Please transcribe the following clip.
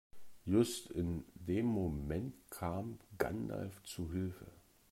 Just in dem Moment kam Gandalf zu Hilfe.